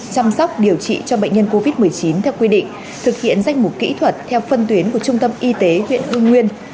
chăm sóc điều trị cho bệnh nhân covid một mươi chín theo quy định thực hiện danh mục kỹ thuật theo phân tuyến của trung tâm y tế huyện hương nguyên